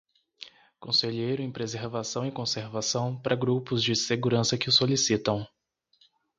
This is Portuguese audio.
Conselheiro em preservação e conservação para grupos de segurança que o solicitam.